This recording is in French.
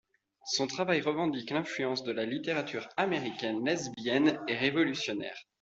Son travail revendique l'influence de la littérature américaine lesbienne et révolutionnaire.